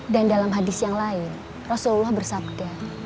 dan dalam hadis yang lain rasulullah bersabda